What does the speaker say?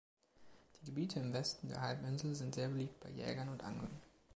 Die Gebiete im Westen der Halbinsel sind sehr beliebt bei Jägern und Anglern.